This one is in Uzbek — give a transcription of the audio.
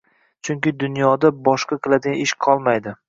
Chunki dunyoda boshqa qiladigan ish qolmaydi.